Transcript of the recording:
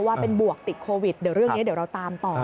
ว่าเป็นบวกติดโควิดเดี๋ยวเรื่องนี้เดี๋ยวเราตามต่อ